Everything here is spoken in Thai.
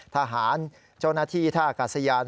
ทหารเจ้าหน้าที่ท่ากาศยาน